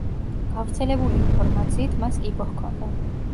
გავრცელებული ინფორმაციით, მას კიბო ჰქონდა.